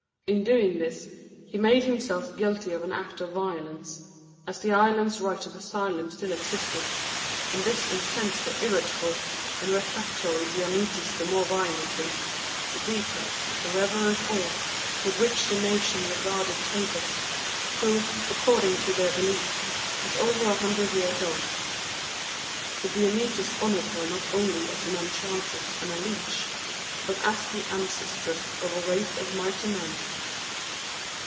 In doing this he made himself guilty of an act of violence, as the island's right of asylum still existed, and this incensed the irritable and refractory Biamites the more violently, the deeper was the reverent awe with which the nation regarded Tabus, who, according to their belief, was over a hundred years old. The Biamites honoured her not only as an enchantress and a leech, but as the ancestress of a race of mighty men.